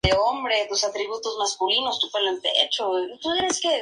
Al contrario que Tampere, Helsinki sufrió relativamente pocos daños durante la guerra.